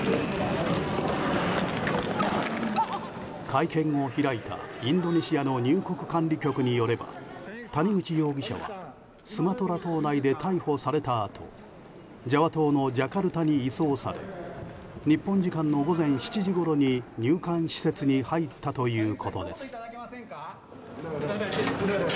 会見を開いたインドネシアの入国管理局によれば谷口容疑者はスマトラ島内で逮捕されたあとジャワ島のジャカルタに移送され日本時間の午前７時ごろに入管施設に入ったということです。